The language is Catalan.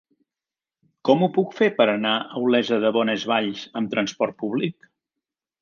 Com ho puc fer per anar a Olesa de Bonesvalls amb trasport públic?